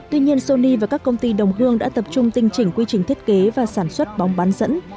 tuy nhiên sony và các công ty đồng hương đã tập trung tinh chỉnh quy trình thiết kế và sản xuất bóng bán dẫn